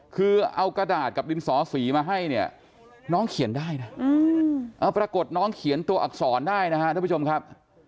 คือเอากระดาษกับดินสอสีมาให้เนี่ยน้องเขียนได้นะปรากฏน้องเขียนตัวอักษรได้นะครับท่านผู้ชมครับ